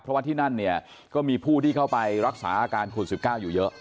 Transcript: เพราะว่าที่นั่นเนี่ยก็มีผู้ที่เข้าไปรักษาอาการโควิด๑๙อยู่เยอะ